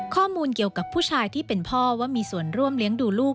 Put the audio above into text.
ข้อมูลเกี่ยวกับผู้ชายที่เป็นพ่อว่ามีส่วนร่วมเลี้ยงดูลูก